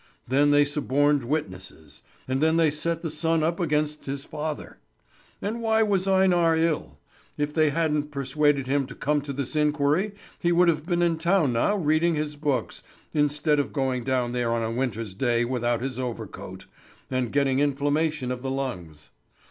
Then they suborned witnesses. And then they set the son up against his father. And why was Einar ill? If they hadn't persuaded him to come to this inquiry he would have been in town now reading his books, instead of going down there on a winter's day without his overcoat, and getting inflammation of the lungs.